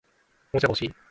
おもちゃが欲しい